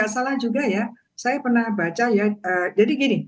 saya pernah baca ya jadi gini